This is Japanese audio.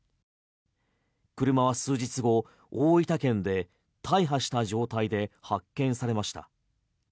車は数日後、大分県で大破した状態で発見されました。